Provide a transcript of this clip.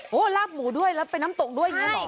โหลาบหมูด้วยแล้วเป็นน้ำตกด้วยยังไงบ้าง